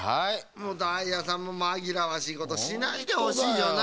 もうダイヤさんもまぎらわしいことしないでほしいよな。